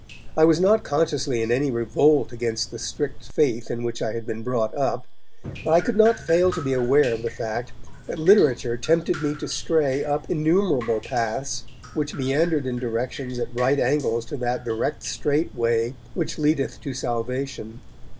I was not consciously in any revolt against the strict faith in which I had been brought up, but I could not fail to be aware of the fact that literature tempted me to stray up innumerable paths which meandered in directions at right angles to that direct strait way which leadeth to salvation.